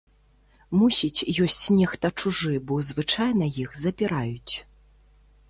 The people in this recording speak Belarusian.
Мусіць, ёсць нехта чужы, бо звычайна іх запіраюць.